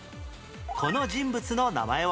この人物の名前は？